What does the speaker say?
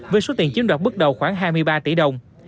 với số tiền chiếm đoạt bước đầu khoảng hai mươi ba tỷ đồng